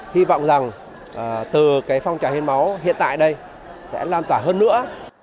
hy vọng rằng từ phong trào hiến máu hiện tại đây sẽ lan tỏa hơn nữa